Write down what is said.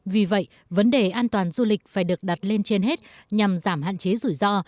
vì vậy vấn đề an toàn du lịch phải được đặt lên trên hết nhằm giảm hạn chế rủi ro